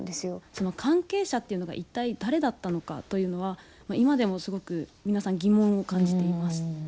その関係者というのが一体、誰だったのかというのは今でもすごく皆さん疑問を感じています。